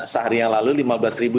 sehari yang lalu lima belas ribu